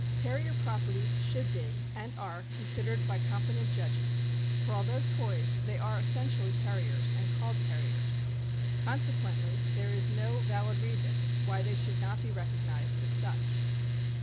Terrier properties should be, and are, considered by competent judges, for although toys, they are essentially Terriers, and called Terriers; con sequently there is no valid reason why they should not be 444 THE AMEEICAN BOOK OF THE DOG. recognized as such.